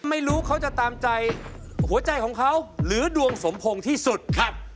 ไม่รู้เขาจะตามใจหัวใจของเขาหรือดวงสมพงษ์ที่สุดครับ